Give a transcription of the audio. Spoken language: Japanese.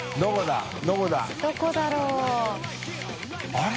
あれ？